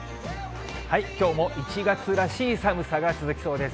きょうも１月らしい寒さが続きそうです。